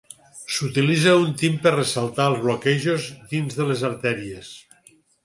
S'utilitza un tint per ressaltar els bloquejos dins de les artèries.